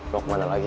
mau kemana lagi